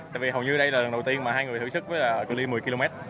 tại vì hầu như đây là lần đầu tiên mà hai người thử sức với cửa ly một mươi km